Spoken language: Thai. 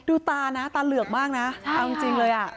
ตานะตาเหลือกมากนะเอาจริงเลยอ่ะ